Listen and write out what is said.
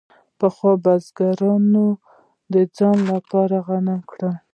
پخوا بزګرانو د ځان لپاره غنم کرل.